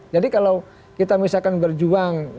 jadi kalau kita misalkan berjuang